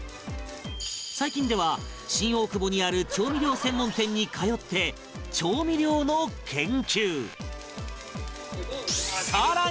最近では新大久保にある調味料専門店に通って調味料の研究